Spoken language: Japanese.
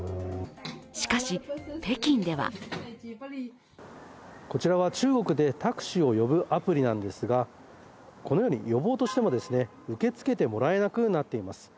しかし、北京ではこちらは中国でタクシーを呼ぶアプリなんですが、このように呼ぼうとしても受け付けてもらえなくなっています。